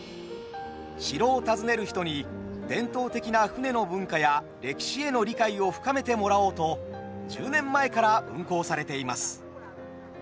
城を訪ねる人に伝統的な船の文化や歴史への理解を深めてもらおうと１０年前から運行されています。